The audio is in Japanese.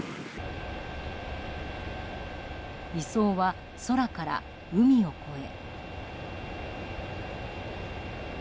移送は空から海を越え。